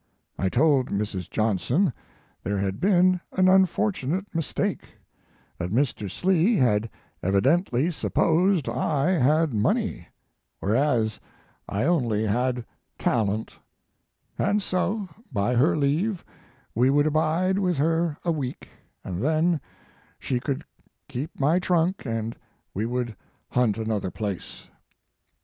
I told Mrs. Johnson there had been an unfortunate mistake, that Mr. Slee had evidently supposed I had money, whereas I only had talent; and so, by her leave, we would abide with her a week, and then she could keep my trunk and we would hunt another place.